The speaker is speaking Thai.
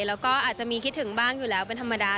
แล้วก็อาจจะมีคิดถึงบ้างอยู่แล้วเป็นธรรมดา